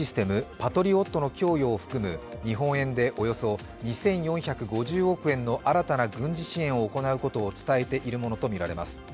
・パトリオットの供与を含む日本円でおよそ２４５０億円の新たな軍事支援を行うことを伝えているものとみられます。